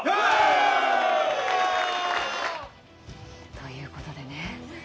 ということでね。